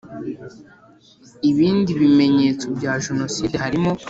ibindi bimenyetso bya Jenoside harimo